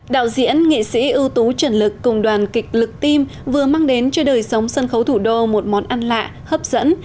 đạo diễn nghệ sĩ ưu tú trần lực cùng đoàn kịch lực tim vừa mang đến cho đời sống sân khấu thủ đô một món ăn lạ hấp dẫn